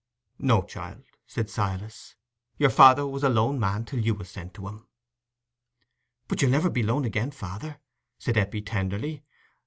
"No, child," said Silas, "your father was a lone man till you was sent to him." "But you'll never be lone again, father," said Eppie, tenderly.